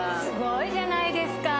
すごいじゃないですか。